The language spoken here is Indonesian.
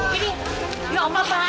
pulangkan saja kepada orangtuaku